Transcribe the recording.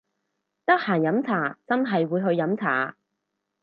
得閒飲茶真係會去飲茶！？